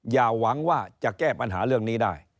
อย่าหวังว่าจะแก้ปัญหาเรื่องนี้ได้